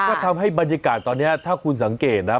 ก็ทำให้บรรยากาศตอนนี้ถ้าคุณสังเกตนะ